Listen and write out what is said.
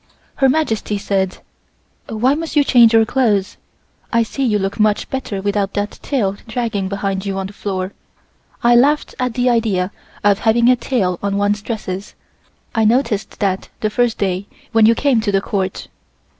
Her Majesty said: "Why must you change your clothes? I see you look much better without that tail dragging behind you on the floor. I laughed at the idea of having a tail on one's dresses. I noticed that the first day when you came to the Court."